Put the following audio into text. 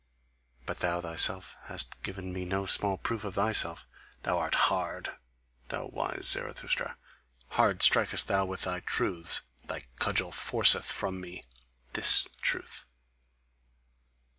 But thou thyself hast given me no small proof of thyself: thou art HARD, thou wise Zarathustra! Hard strikest thou with thy 'truths,' thy cudgel forceth from me THIS truth!"